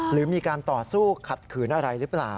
หรือมีการต่อสู้ขัดขืนอะไรหรือเปล่า